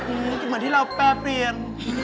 เหมือนที่เราแปรเปลี่ยน